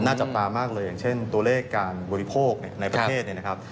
จับตามากเลยอย่างเช่นตัวเลขการบริโภคในประเทศเนี่ยนะครับ